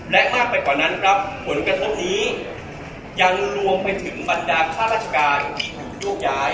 และมากไปกว่านั้นครับผลกระทบนี้ยังรวมไปถึงบรรดาข้าราชการที่ถูกโยกย้าย